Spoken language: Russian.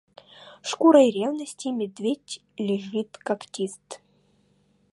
Шкурой ревности медведь лежит когтист.